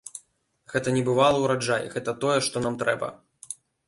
Гэта небывалы ўраджай, гэта тое, што нам трэба.